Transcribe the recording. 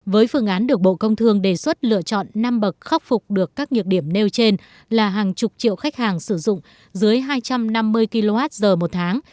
với phương án được bộ công thương đề xuất lựa chọn năm bậc khắc phục được các nhược điểm nêu trên là hàng chục triệu khách hàng sử dụng dưới hai trăm năm mươi kwh một tháng